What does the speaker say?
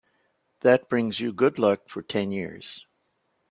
That brings you good luck for ten years.